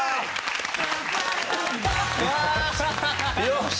よし！